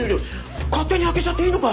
勝手に開けちゃっていいのかい？